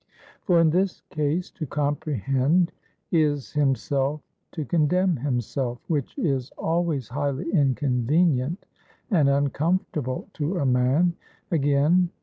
For in this case, to comprehend, is himself to condemn himself, which is always highly inconvenient and uncomfortable to a man. Again.